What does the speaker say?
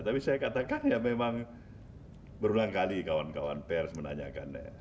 tapi saya katakan ya memang berulang kali kawan kawan pers menanyakan